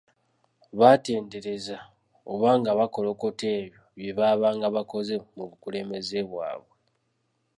Batendereza oba nga bakolokota ebyo bye baabanga bakoze mu bukulembeze bwabwe.